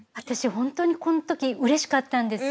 本当にこの時うれしかったんです。